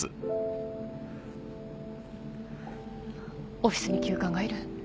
オフィスに急患がいる。